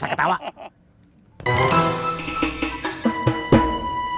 kita liat dia lebihbadum